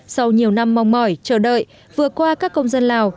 sau nhiều năm mong mỏi chờ đợi vừa qua các công dân lào